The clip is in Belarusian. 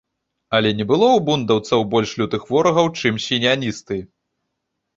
Але не было ў бундаўцаў больш лютых ворагаў, чым сіяністы.